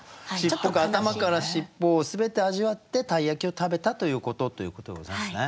頭から尻尾を全て味わって鯛焼を食べたということということでございますね？